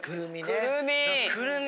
くるみ。